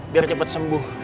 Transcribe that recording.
biar cepet sembuh